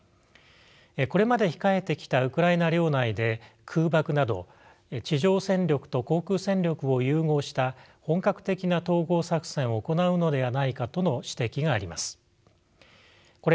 これまで控えてきたウクライナ領内で空爆など地上戦力と航空戦力を融合した本格的な統合作戦を行うのではないかとの指摘があります。